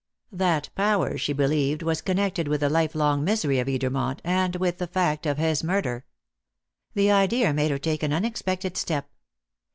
That power she believed was connected with the lifelong misery of Edermont, and with the fact of his murder. The idea made her take an unexpected step.